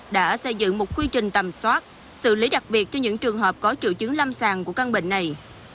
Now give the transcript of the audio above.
đã xây dựng một quy trình tầm soát xử lý đặc biệt cho những trường hợp có triệu chứng lâm sàng của căn bệnh này